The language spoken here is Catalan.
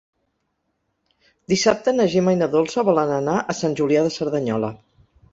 Dissabte na Gemma i na Dolça volen anar a Sant Julià de Cerdanyola.